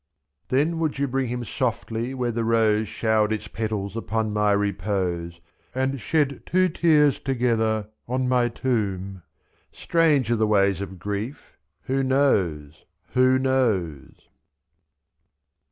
Then would you bring him softly where the rose Showered its petals upon my repose, 2i'^ And shed two tears together on my tomb — Strange are the ways of grief — who knows — who knows!